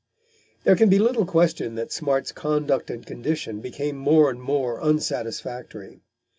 There can be little question that Smart's conduct and condition became more and more unsatisfactory.